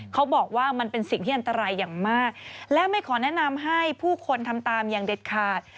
เขาบอกว่ามันเป็นสิ่งที่อันตรายอย่างมากและไม่ขอแนะนำให้ผู้คนทำตามอย่างเด็ดขาด